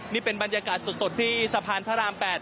นี่เป็นบรรยากาศสดที่สะพานพระราม๘